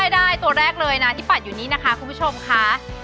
ได้ตัวแรกเลยนะที่ปัดอยู่นี่นะคะคุณผู้ชมค่ะ